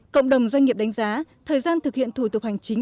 cộng đồng doanh nghiệp đánh giá thời gian thực hiện thủ tục hành chính